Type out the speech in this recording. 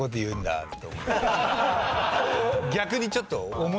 逆にちょっと。